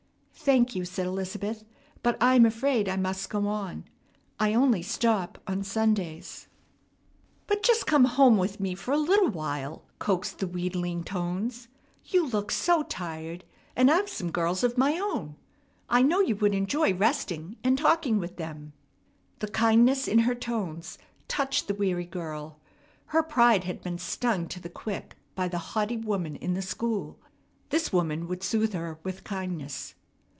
"Thank you," said Elizabeth, "but I am afraid I must go on. I only stop on Sundays." "But just come home with me for a little while," coaxed the wheedling tones. "You look so tired, and I've some girls of my own. I know you would enjoy resting and talking with them." The kindness in her tones touched the weary girl. Her pride had been stung to the quick by the haughty woman in the school. This woman would soothe her with kindness.